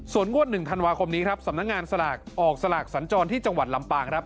ส่วนงวด๑ธันวาคมนี้ครับสำนักงานสลากออกสลากสัญจรที่จังหวัดลำปางครับ